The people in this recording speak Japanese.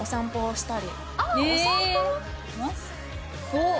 おっ！